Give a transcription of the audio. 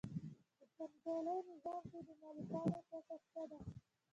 په پانګوالي نظام کې د مالکانو ګټه څه ده